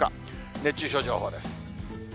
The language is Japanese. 熱中症情報です。